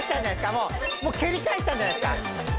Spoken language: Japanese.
もう蹴り返したんじゃないですか？